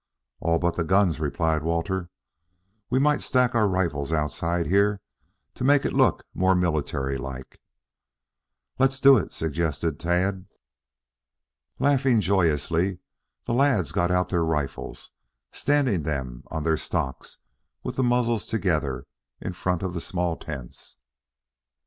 "All but the guns," replied Walter. "We might stack our rifles outside here to make it look more military like." "Let's do it." suggested Tad. Laughing joyously, the lads got out their rifles, standing them on their stocks, with the muzzles together in front of the small tents.